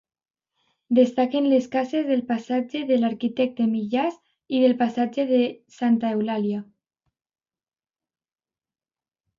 Destaquen les cases del passatge de l'Arquitecte Millàs i del passatge de Santa Eulàlia.